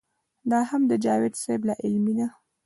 دا هم د جاوېد صېب لا علمي ده